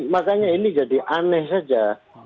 makanya ini jadi aneh saja